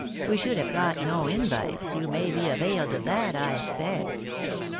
We should have got no invites, you may be availed of that, I expect."